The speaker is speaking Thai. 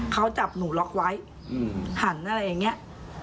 เขาจับหนูล็อกไว้หันอะไรอย่างนี้